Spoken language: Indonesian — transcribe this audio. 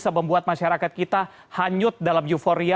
bisa membuat masyarakat kita hanyut dalam euforia